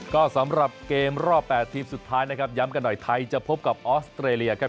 ก็สำหรับเกมรอบ๘ทีมสุดท้ายนะครับย้ำกันหน่อยไทยจะพบกับออสเตรเลียครับ